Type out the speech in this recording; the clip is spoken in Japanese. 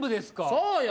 そうよ！